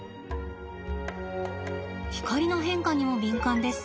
光の変化にも敏感です。